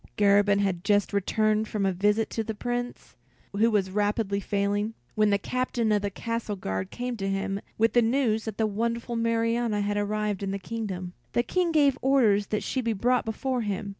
Garabin had just returned from a visit to the Prince, who was rapidly failing, when the Captain of the Castle Guard came to him with the news that the wonderful Marianna had arrived in the kingdom. The King gave orders that she be brought before him.